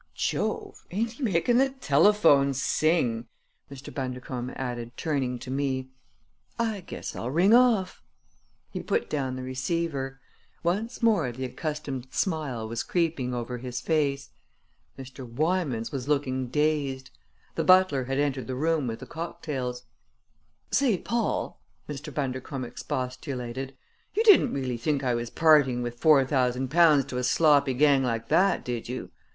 Jove! Ain't he making the telephone sing!" Mr. Bundercombe added, turning to me. "I guess I'll ring off!" He put down the receiver. Once more the accustomed smile was creeping over his face. Mr. Wymans was looking dazed. The butler had entered the room with the cocktails. "Say, Paul," Mr. Bundercombe expostulated, "you didn't really think I was parting with four thousand pounds to a sloppy gang like that, did you?